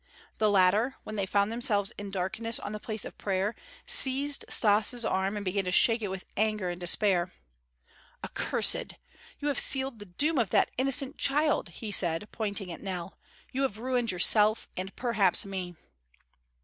The latter, when they found themselves in the darkness on the place of prayer, seized Stas' arm and began to shake it with anger and despair. "Accursed! You have sealed the doom of that innocent child," he said, pointing at Nell. "You have ruined yourself and perhaps me."